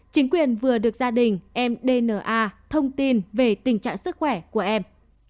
chính quyền vừa được gia đình mdna thông tin về tình trạng sức khỏe của em